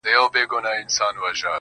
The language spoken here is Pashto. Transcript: اوس يې څنگه ښه له ياده وباسم~